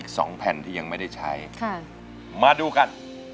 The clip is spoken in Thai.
สองแผ่นที่ยังไม่ได้ใช้ค่ะมาดูกัน